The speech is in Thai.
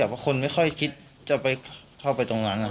จากนั้นก็จะนำมาพักไว้ที่ห้องพลาสติกไปวางเอาไว้ตามจุดนัดต่าง